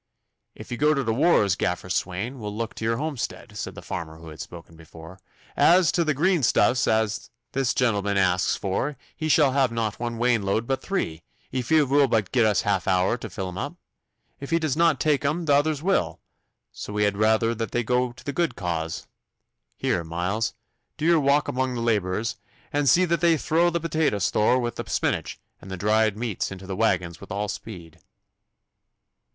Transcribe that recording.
'If you go to t' wars, Gaffer Swain, we'll look to your homestead,' said the farmer who had spoken before. 'As to t' greenstuffs as this gentleman asks for he shall have not one wainload but three, if he will but gi' us half an hour to fill them up. If he does not tak them t' others will, so we had raither that they go to the good cause. Here, Miles, do you wak the labourers, and zee that they throw the potato store wi' the spinach and the dried meats into the waggons wi' all speed.